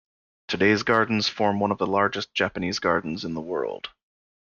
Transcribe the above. Today's gardens form one of the largest Japanese gardens in the world.